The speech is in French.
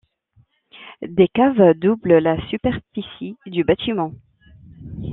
Des caves doublent la superficie du bâtiment.